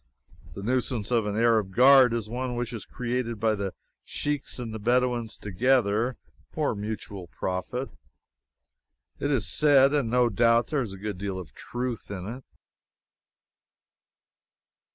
The nuisance of an Arab guard is one which is created by the Sheiks and the Bedouins together, for mutual profit, it is said, and no doubt there is a good deal of truth in it.